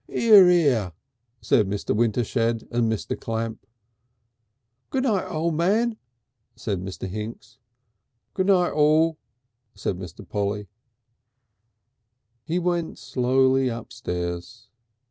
"'Ear, 'ear!" said Mr. Wintershed and Mr. Clamp. "Goo'night, O' Man," said Mr. Hinks. "Goo'night All," said Mr. Polly ... He went slowly upstairs.